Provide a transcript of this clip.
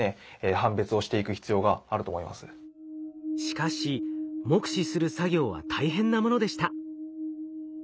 しかし目視する作業は大変なものでした。